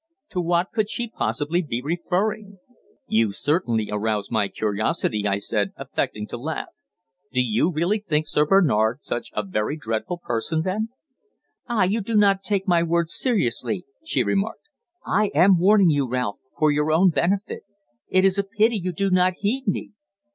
To what could she possibly be referring? "You certainly arouse my curiosity," I said, affecting to laugh. "Do you really think Sir Bernard such a very dreadful person, then?" "Ah! You do not take my words seriously," she remarked. "I am warning you, Ralph, for your own benefit. It is a pity you do not heed me."